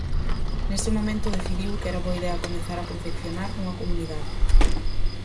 Nese momento decidiu que era boa idea comezar a confeccionar unha comunidade.